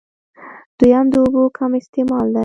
دويم د اوبو کم استعمال دی